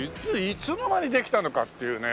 いつの間にできたのかっていうね。